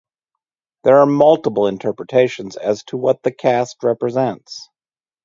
There are multiple interpretations as to what the cast represents.